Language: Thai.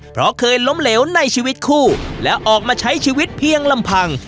เพราะเคยล้มเหลวในชีวิตคู่และออกมาใช้ชีวิตเพียงลำพัง